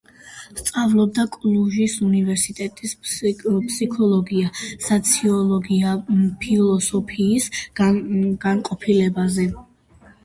სწავლობდა კლუჟის უნივერსიტეტის ფსიქოლოგია, სოციოლოგია, ფილოსოფიის განყოფილებაზე.